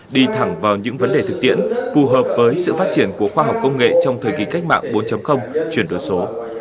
đi thẳng vào những vấn đề thực tiễn phù hợp với sự phát triển của khoa học công nghệ trong thời kỳ cách mạng bốn chuyển đổi số